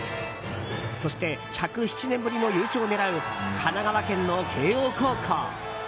そして１０７年ぶりの優勝を狙う神奈川県の慶應高校。